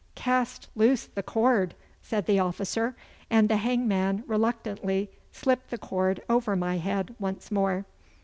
'Cast loose the cord!' said the officer, and the hangman reluctantly slipped the cord over my head once more.